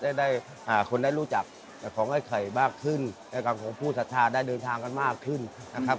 ได้ได้อ่าคนได้รู้จักของไอ้ไข่มากขึ้นและกับของผู้สัตว์ธาตุได้เดินทางกันมากขึ้นนะครับ